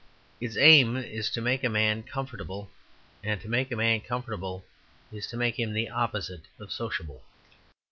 Its aim is to make a man comfortable, and to make a man comfortable is to make him the opposite of sociable.